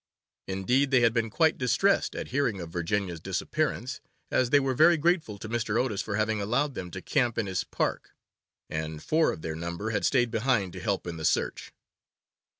Indeed, they had been quite distressed at hearing of Virginia's disappearance, as they were very grateful to Mr. Otis for having allowed them to camp in his park, and four of their number had stayed behind to help in the search.